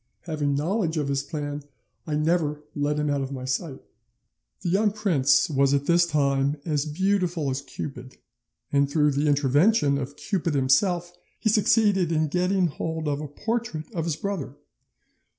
Having knowledge of his plan, I never let him out of my sight. "'The young prince was at this time as beautiful as Cupid, and through the intervention of Cupid himself he succeeded in getting hold of a portrait of his brother.